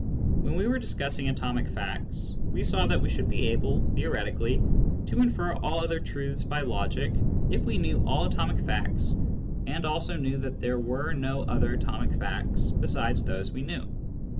When we were discussing atomic facts, we saw that we should be able, theoretically, to infer all other truths by logic if we knew all atomic facts and also knew that there were no other atomic facts besides those we knew.